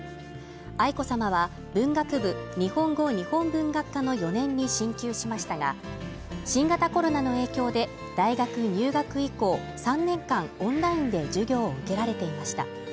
愛子さまは文学部日本語日本文学科の４年に進級しましたが、新型コロナの影響で大学入学以降３年間オンラインで授業を受けられていました。